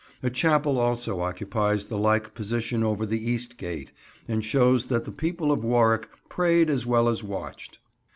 A chapel also occupies the like position over the East Gate, and shows that the people of Warwick prayed as well as watched.